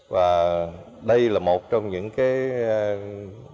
và đây là một trong những nền tảng